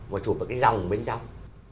mà chụp ở cái dòng bên trong